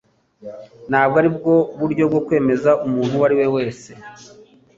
Ntabwo aribwo buryo bwo kwemeza umuntu uwo ari we wese.